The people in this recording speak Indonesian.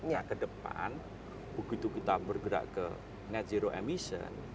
nah ke depan begitu kita bergerak ke net zero emission